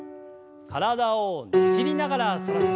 体をねじりながら反らせて。